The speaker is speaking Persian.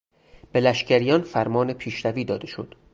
به لشگریان فرمان پیشروی داده شد.